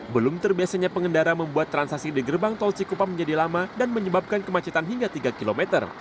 belum terbiasanya pengendara membuat transaksi di gerbang tol cikupa menjadi lama dan menyebabkan kemacetan hingga tiga km